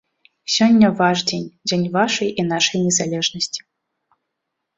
Сёння ваш дзень, дзень вашай і нашай незалежнасці.